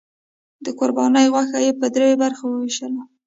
د قربانۍ غوښه یې په دریو برخو وویشله.